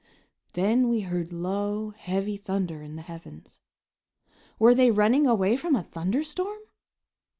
Then we heard low, heavy thunder in the heavens. Were they running away from a thunder storm?